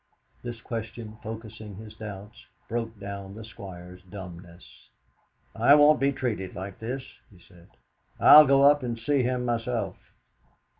This question, focusing his doubts, broke down the Squire's dumbness. "I won't be treated like this!" he said. "I'll go up and see him myself!"